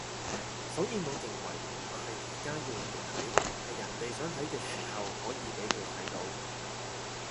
所以我認為唔係而家要人哋睇，係人哋想睇嘅時候可以畀佢睇到